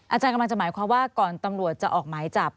อาจารย์กำลังจะหมายความว่าก่อนตำรวจจะออกหมายจับ